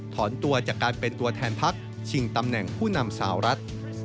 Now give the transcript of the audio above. ถอนตัวจากการเป็นตัวแทนพักชิงตำแหน่งผู้นำสาวรัฐ